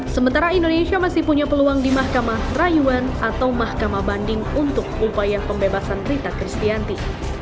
sementara indonesia masih punya peluang di mahkamah rayuan atau mahkamah banding untuk upaya pembebasan rita kristianti